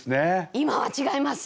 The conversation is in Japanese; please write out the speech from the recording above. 今は違います。